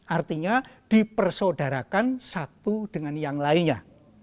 artinya dipersaudarakan satu dengan yang lainnya